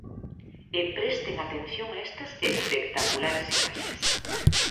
E presten atención a estas espectaculares imaxes...